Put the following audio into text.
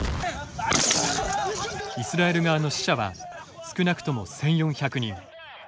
イスラエル側の死者は少なくとも１４００人。